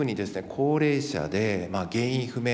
高齢者で原因不明